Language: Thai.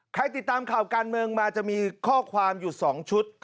ติดตามข่าวการเมืองมาจะมีข้อความอยู่๒ชุด